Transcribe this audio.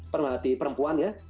pemerhati perempuan ya